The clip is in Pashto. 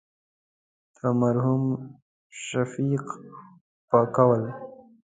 د مرحوم شفیق په قول.